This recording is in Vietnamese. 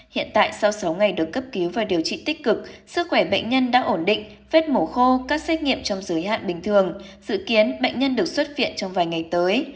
hiện tại sau sáu ngày được cấp cứu và điều trị tích cực sức khỏe bệnh nhân đã ổn định vết mổ khô các xét nghiệm trong giới hạn bình thường dự kiến bệnh nhân được xuất viện trong vài ngày tới